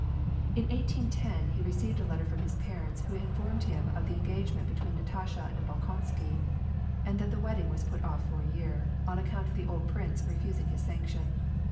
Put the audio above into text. In 1810 he received a letter from his parents, who informed him of the engagement between Natasha and Bolkonsky, and that the wedding was put off for a year, on account of the old prince refusing his sanction.